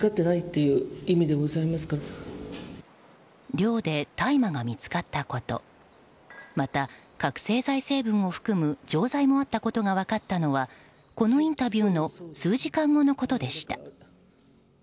寮で大麻が見つかったことまた、覚醒剤成分を含む錠剤もあったことが分かったのはこのインタビューの数時間後のことでした。